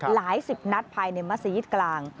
หลายสิบนัดภายในมัศยิตกลาง